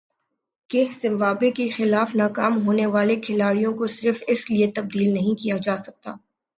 کہ زمبابوے کے خلاف ناکام ہونے والے کھلاڑیوں کو صرف اس لیے تبدیل نہیں کیا جا سکتا